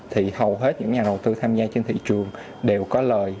thì hầu hết những nhà đầu tư tham gia trên thị trường đều có lời